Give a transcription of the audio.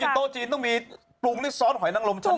กินโต๊ะจีนต้องมีปรุงซ้อนหอยนังรมชั้นยอด